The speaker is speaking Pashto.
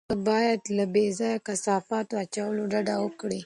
ته باید له بې ځایه کثافاتو اچولو ډډه وکړې.